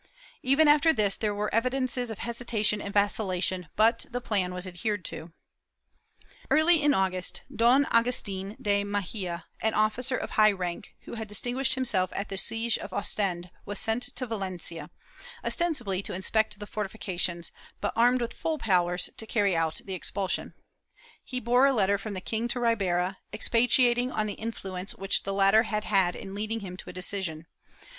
Even after this there were evidences of hesitation and vacilla tion, but the plan was adhered to/ Early in August, Don Agustin de Mexia, an officer of high rank, who had distinguished himself at the siege of Ostend, was sent to Valencia, ostensibly to inspect the fortifications, but armed with full powers to carry out the expulsion. He bore a letter from the king to Ribera, expatiating on the influence which the latter had had in leading him to a decision.